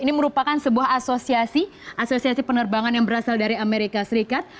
ini merupakan sebuah asosiasi asosiasi penerbangan yang berasal dari amerika serikat